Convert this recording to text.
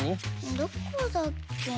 どこだっけ？